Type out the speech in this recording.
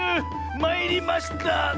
まいりました！